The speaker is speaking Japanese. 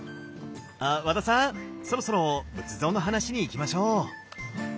あ和田さんそろそろ仏像の話にいきましょう！